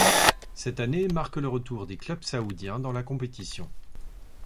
Cette année marque le retour des clubs saoudiens dans la compétition.